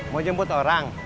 mau jemput orang